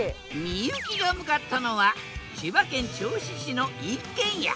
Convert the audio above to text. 幸が向かったのは千葉県銚子市の一軒家。